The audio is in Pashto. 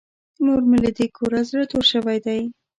نور مې له دې کوره زړه تور شوی دی.